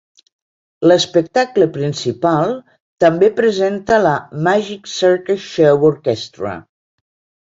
L'espectacle principal també presenta la "Magic Circus Show Orchestra".